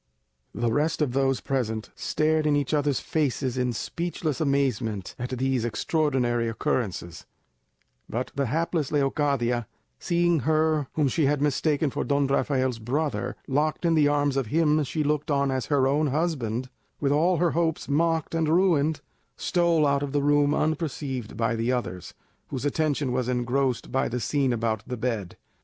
The rest of those present stared in each others' faces in speechless amazement at these extraordinary occurrences; but the hapless Leocadia, seeing her whom she had mistaken for Don Rafael's brother locked in the arms of him she looked on as her own husband, and all her hopes mocked and ruined, stole out of the room unperceived by the others, whose attention was engrossed by the scene about the bed.